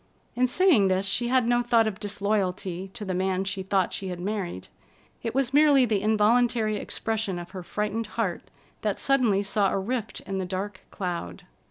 In saying this, she had no thought of disloyalty to the man she thought she had married. It was merely the involuntary expression of her frightened heart that suddenly saw a rift in the dark cloud.